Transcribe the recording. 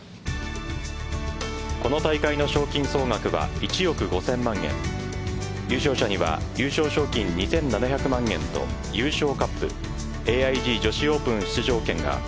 この大会の賞金総額は１億５０００万円優勝者には優勝賞金２７００万円と優勝カップＡＩＧ女子オープン出場権が。